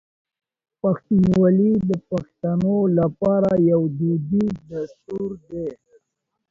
پښتونولي د پښتنو لپاره یو دودیز دستور دی.